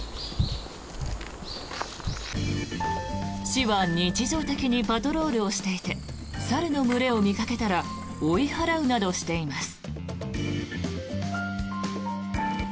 市は日常的にパトロールをしていて猿の群れを見かけたら追い払うなどしています。